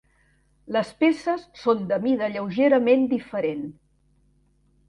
Les peces són de mida lleugerament diferent.